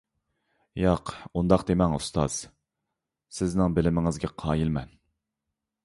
ياق، ئۇنداق دېمەڭ ئۇستاز، سىزنىڭ بىلىمىڭىزگە قايىل مەن!